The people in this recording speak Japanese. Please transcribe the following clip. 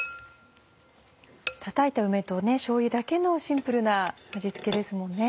たたいた梅としょうゆだけのシンプルな味付けですもんね。